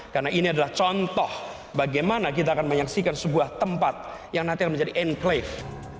karena ini adalah contoh bagaimana kita akan menyaksikan sebuah tempat yang nanti akan menjadi enclave